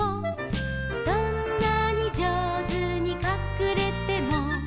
「どんなに上手にかくれても」